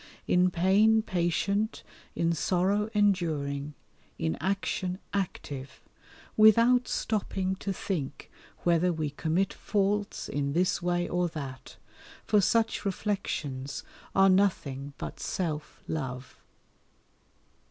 In pain patient, in sorrow enduring, in action active, without stopping to think whether we commit faults in this way or that, for such reflections are nothing but self love.